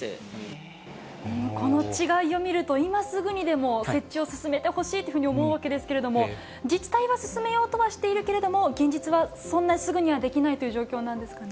この違いを見ると、今すぐにでも設置を進めてほしいというふうに思うわけですけれども、自治体は進めようとはしているけれども、現実はそんなにすぐにはできないという状況なんですかね。